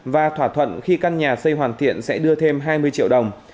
và thỏa thuận khi căn nhà xây hoàn thiện sẽ đưa thêm hai mươi triệu đồng